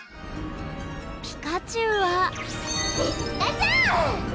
ピカチュウはピカチュウ！